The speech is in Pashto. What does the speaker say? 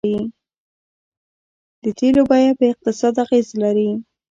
د تیلو بیه په اقتصاد اغیز لري.